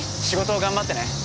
仕事頑張ってね。